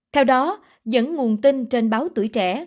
theo đó dẫn nguồn tin trên báo tuổi trẻ